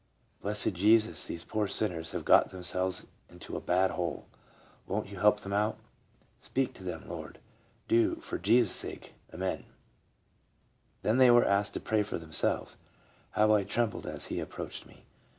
Blessed Jesus, these poor sinners have got themselves into a bad hole. Won't you help them out * Speak to them, Lord, do, for Jesus' sake — amen!'" Then they were asked to pray for themselves. "How I trembled as he approached me!